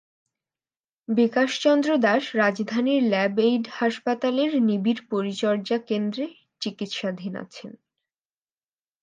বিকাশ চন্দ্র দাস রাজধানীর Labaid হাসপাতালের নিবিড় পরিচর্যা কেন্দ্রে চিকিৎসাধীন আছেন।